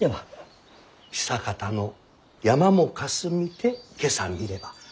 「久かたの山もかすみて今朝みれば」。